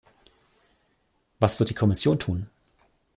Was wird die Kommission tun?